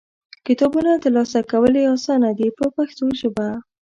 کتابونه ترلاسه کول یې اسانه دي په پښتو ژبه.